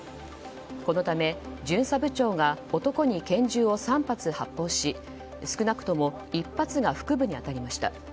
このため巡査部長が男に拳銃を３発、発砲し少なくとも１発が腹部に当たりました。